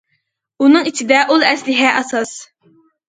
ئۇنىڭ ئىچىدە ئۇل ئەسلىھە ئاساس.